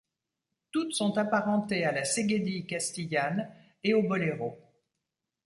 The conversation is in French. Toutes sont apparentées à la séguédille castillane et au boléro.